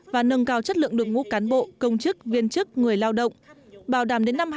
và nâng cao chất lượng đội ngũ cán bộ công chức viên chức người lao động bảo đảm đến năm hai nghìn hai mươi